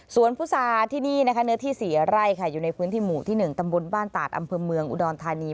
ส่วนพุษาที่นี่นะคะเนื้อที่๔ไร่ค่ะอยู่ในพื้นที่หมู่ที่๑ตำบลบ้านตาดอำเภอเมืองอุดรธานี